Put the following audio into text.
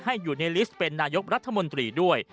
ยูเนลิสต์เป็นนายกรัฐมนตรีด้วย